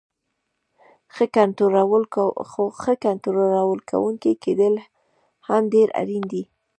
ښه کنټرول کوونکی کیدل هم ډیر اړین دی.